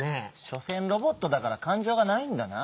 しょせんロボットだからかんじょうがないんだな。